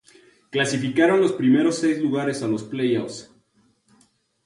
Clasificaron los primeros seis lugares a los playoffs.